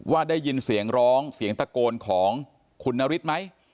ว่าได้ยินเสียงร้องเสียงตะโกนของคุณนฤทธิ์ไหม